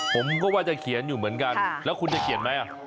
ผมก็ว่าจะเขียนอยู่เหมือนกันแล้วคุณจะเขียนไหม